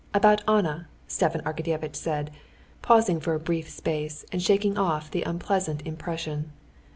About Anna," Stepan Arkadyevitch said, pausing for a brief space, and shaking off the unpleasant impression.